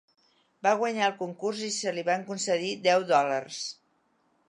Va guanyar el concurs i se li van concedir deu dòlars.